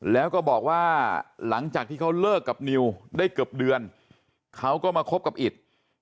แล้วก็บอกว่าหลังจากที่เขาเลิกกับนิวได้เกือบเดือนเขาก็มาคบกับอิต